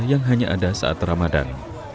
yang hanya ada saat ramadan